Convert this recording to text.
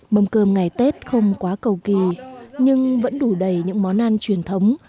mâm cơm ngày tết không quá cầu kỳ nhưng vẫn đủ đầy những món ăn truyền thống